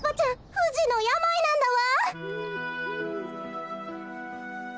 ふじのやまいなんだわ！